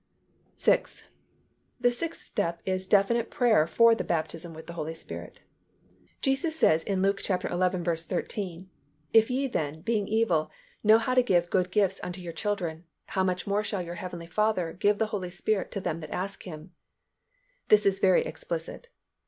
6. The sixth step is definite prayer for the baptism with the Holy Spirit. Jesus says in Luke xi. 13, "If ye then, being evil, know how to give good gifts unto your children: how much more shall your heavenly Father give the Holy Spirit to them that ask Him." This is very explicit.